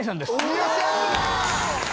よっしゃ！